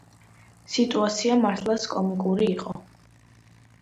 სიტუაცია მართლაც კომიკური იყო.